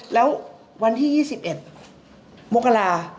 แล้ววันที่๒๑มกรา